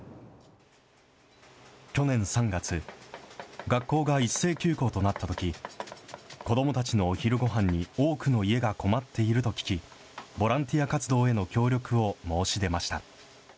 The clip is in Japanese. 去年３月、学校が一斉休校となったとき、子どもたちのお昼ごはんに多くの家が困っていると聞き、ボランティア活動への協力を申し出ました。